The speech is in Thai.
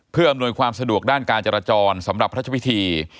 เพื่ออำนวยความสะดวกด้านการจราจรสำหรับพระเจ้าพิธี